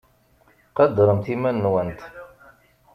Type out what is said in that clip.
Qadremt iman-nwent.